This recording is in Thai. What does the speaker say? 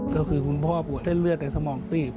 ก็คือคุณพ่อปวดเส้นเลือดในสมองตีบ